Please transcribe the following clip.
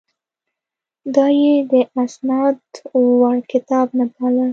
دا یې د استناد وړ کتاب نه باله.